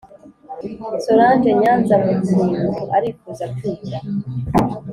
Solange Nyanza Mukingo Arifuza kwiga.